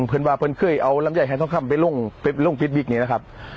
เพิ่งว่าเพิ่งเคยเอารำใยให้ท่องคำไปลงไปลงนี้นะครับ